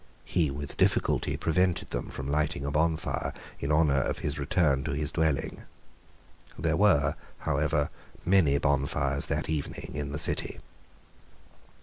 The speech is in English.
He with difficulty prevented them from lighting a bonfire in honour of his return to his dwelling. There were, however, many bonfires that evening in the City.